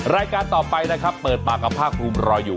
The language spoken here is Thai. รายการต่อไปนะครับเปิดปากกับภาคภูมิรออยู่